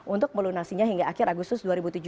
untuk melunasinya hingga akhir agustus dua ribu tujuh belas